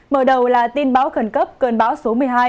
mở đầu là tin báo khẩn cấp cơn bão số một mươi hai